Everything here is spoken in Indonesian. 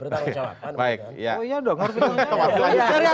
terima kasih pak ampri